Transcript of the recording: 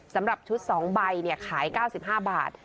สำหรับชุด๒ใบขาย๙๕บาท